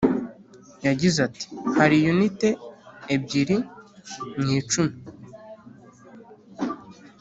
yagize ati" hari unite ebyiri mu icumi